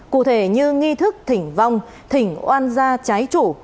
cụ thể như nghi thức thỉnh vong thỉnh oan gia trái chủ